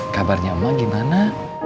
kabarnya emak gimana